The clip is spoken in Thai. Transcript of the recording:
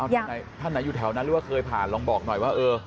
ท่านไหนอยู่แถวนั้นหรือว่าเคยผ่านลองบอกหน่อยว่า